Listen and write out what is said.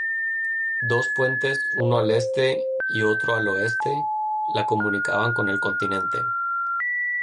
Dos puentes, uno al este y otro al oeste, la comunicaban con el continente.